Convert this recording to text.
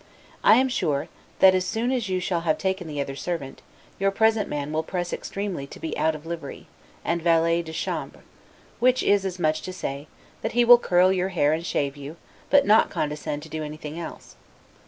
I am sure, that as soon as you shall have taken the other servant, your present man will press extremely to be out of livery, and valet de chambre; which is as much as to say, that he will curl your hair and shave you, but not condescend to do anything else.